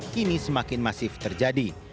kini semakin masif terjadi